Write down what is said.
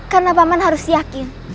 karena paman harus yakin